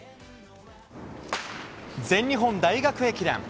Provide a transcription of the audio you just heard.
全日本大学駅伝。